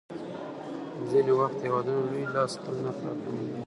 ځینې وخت هېوادونه لوی لاس خپل نرخ راکموي.